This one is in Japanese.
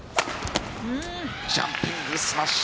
ジャンピングスマッシュ。